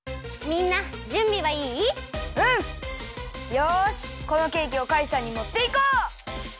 よしこのケーキをカイさんにもっていこう！